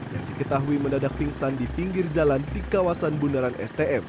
yang diketahui mendadak pingsan di pinggir jalan di kawasan bundaran stm